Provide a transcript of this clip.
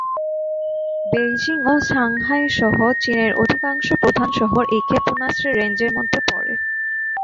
Beijing ও Shanghai সহ চীনের অধিকাংশ প্রধান শহর এই ক্ষেপণাস্ত্রের রেঞ্জের মধ্যে পড়ে।